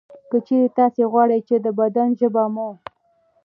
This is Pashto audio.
که چېرې تاسې غواړئ چې د بدن ژبه مو